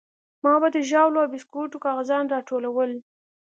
ما به د ژاولو او بيسکوټو کاغذان راټولول.